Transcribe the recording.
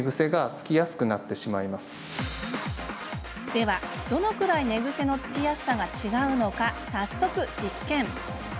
では、どのくらい寝ぐせのつきやすさが違うのか早速、実験。